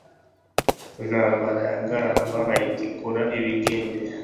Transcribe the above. intambara yagaramba nkayitikura ibigembe